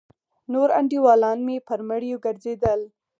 نور انډيوالان مې پر مړيو گرځېدل.